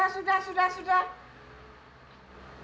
sudah sudah sudah